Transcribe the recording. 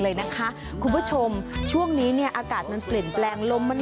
เลยนะคะคุณผู้ชมช่วงนี้เนี่ยอากาศมันเปลี่ยนแปลงลมมัน